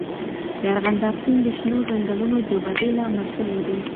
د ارغنداب سیند د شنو ځنګلونو د ودې لامل سوی دی.